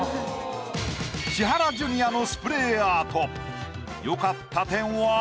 千原ジュニアのスプレーアート。